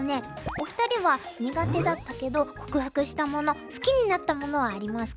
お二人は苦手だったけど克服したもの好きになったものはありますか？